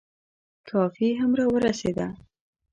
کافي هم را ورسېده.